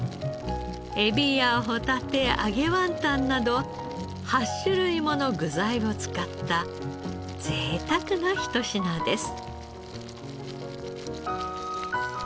エビやホタテ揚げワンタンなど８種類もの具材を使った贅沢な一品です。